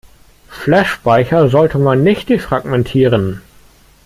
Flashspeicher sollte man nicht defragmentieren.